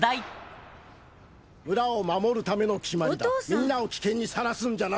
「みんなを危険にさらすんじゃない」